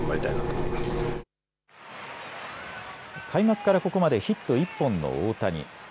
開幕からここまでヒット１本の大谷。